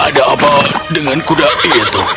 ada apa dengan kuda itu